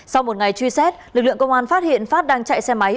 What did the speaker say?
sau một ngày truy xét lực lượng công an phát hiện phát đang chạy xe máy